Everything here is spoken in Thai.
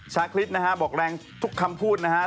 คริสนะฮะบอกแรงทุกคำพูดนะฮะ